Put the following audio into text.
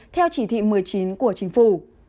theo chỉ thị một mươi chín của chính phủ